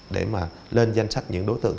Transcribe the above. để mà lên danh sách những đối tượng